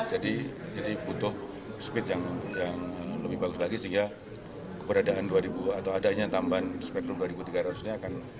jadi butuh speed yang lebih bagus lagi sehingga keberadaan dua atau adanya tambahan spektrum dua tiga ratus ini akan menambah